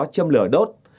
châm lửa đốt